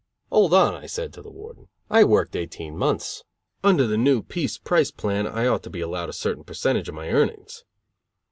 "Hold on," I said, to the Warden. "I worked eighteen months. Under the new piece price plan I ought to be allowed a certain percentage of my earnings."